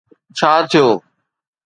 ڇا ٿيو